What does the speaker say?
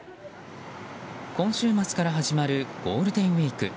今週末から始まるゴールデンウィーク。